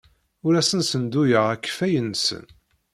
Ur asen-ssenduyeɣ akeffay-nsen.